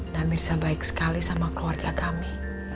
namirza baik sekali sama keluarga kami